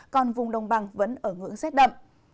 còn vùng đồng bằng vẫn ở ngưỡng rét đậm